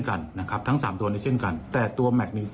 ทั้ง๓ตัวทั้ง๓ตัวจะเช่นกันแต่ตัว